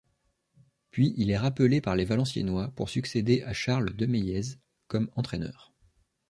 Puis il est rappelé par les Valenciennois, pour succéder à Charles Demeillez, comme entraîneur.